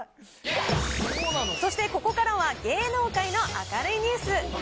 そしてここからは芸能界の明るいニュース。